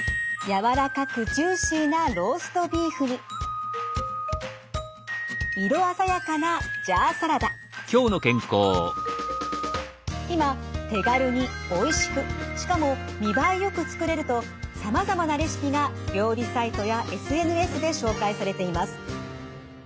柔らかくジューシーな色鮮やかな今手軽においしくしかも見栄えよく作れるとさまざまなレシピが料理サイトやＳＮＳで紹介されています。